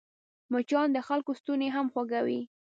مچان د خلکو ستونی هم خوږوي